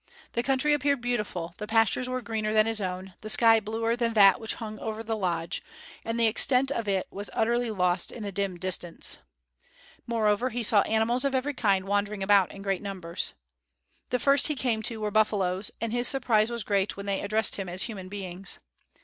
The country appeared beautiful, the pastures were greener than his own, the sky bluer than that which hung over the lodge, and the extent of it was utterly lost in a dim distance. Moreover he saw animals of every kind wandering about in great numbers. The first he came to were buffalos; and his surprise was great when they addressed him as human beings.